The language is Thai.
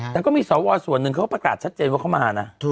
แต่ก็มีสวส่วนหนึ่งเขาก็ประกาศชัดเจนว่าเขามานะ